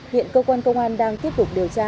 hiện cơ quan công an đang tiếp tục điều tra